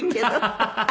ハハハハ。